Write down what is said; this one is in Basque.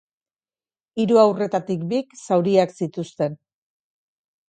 Hiru haurretatik bik zauriak zituzten.